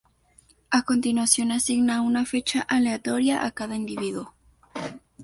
A continuación, asigna una fecha aleatoria a cada individuo.